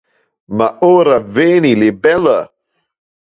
Ma ora veni le belle!